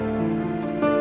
maha tak apa